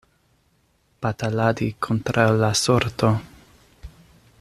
Bataladi kontraŭ la sorto.